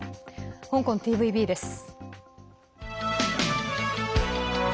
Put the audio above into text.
香港ＴＶＢです。